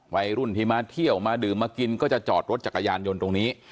วัยรุ่นที่มาเที่ยวมาดื่มมากินก็จะจอดรถจักรยานยนต์ตรงนี้